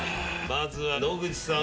まずは野口さん。